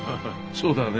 そうだね。